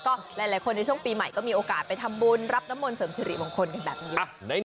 ก็หลายคนในช่วงปีใหม่ก็มีโอกาสไปทำบุญรับน้ำมนต์เสริมสิริมงคลกันแบบนี้